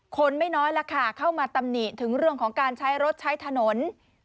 คนไม่น้อยล่ะค่ะเข้ามาตำหนิถึงเรื่องของการใช้รถใช้ถนน